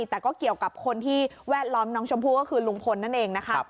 แต่ก็เกี่ยวกับคนที่แวดล้อมน้องชมพู่ก็คือลุงพลนั่นเองนะคะ